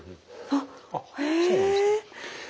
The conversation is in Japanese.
あっそうなんですか。